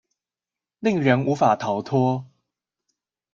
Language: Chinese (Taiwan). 令人無法逃脫